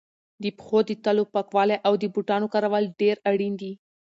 د پښو د تلو پاکوالی او د بوټانو کارول ډېر اړین دي.